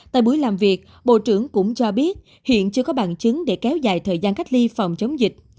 tại buổi làm việc bộ trưởng cũng cho biết hiện chưa có bằng chứng để kéo dài thời gian cách ly phòng chống dịch